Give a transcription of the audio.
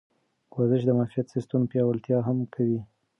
ورزش د معافیت سیستم پیاوړتیا هم کوي.